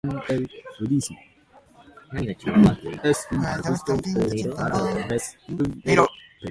He attended Broadalbin Central School in nearby Broadalbin, New York.